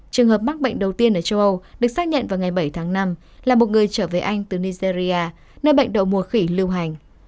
trường hợp mắc bệnh đầu tiên ở châu âu được xác nhận vào ngày bảy tháng năm là một người trở về anh từ nigeria nơi bệnh đậu mùa khỉ lưu hành